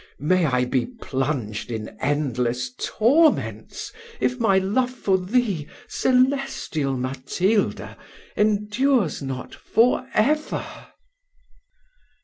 may I be plunged in endless torments, if my love for thee, celestial Matilda, endures not for ever!"